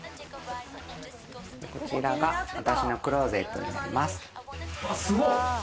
こちらが私のクローゼットになります。